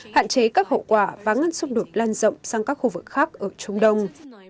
hạn chế các hậu quả và ngăn xung đột lan rộng sang các khu vực khác ở trung đông